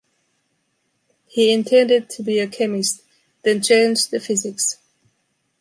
He intended to be a chemist, then changed to physics.